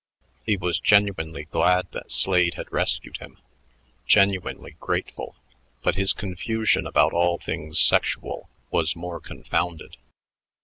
He was genuinely glad that Slade had rescued him, genuinely grateful, but his confusion about all things sexual was more confounded.